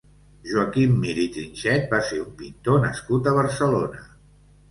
Joaquim Mir i Trinxet va ser un pintor nascut a Barcelona.